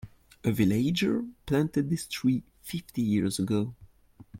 A villager planted this tree fifty years ago.